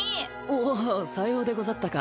おおさようでござったか。